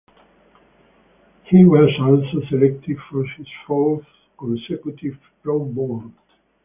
He was also selected for his fourth consecutive Pro Bowl.